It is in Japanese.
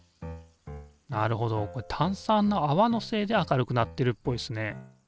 なるほどこれ炭酸のあわのせいで明るくなってるっぽいですね。